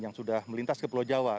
yang sudah melintas ke pulau jawa